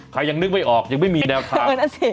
ใครยังนึกไม่ออกยังไม่มีแนวทางเออนั่นสิ